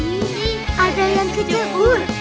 ini ada yang keceur